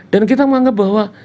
dan kita menganggap bahwa